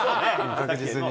確実に。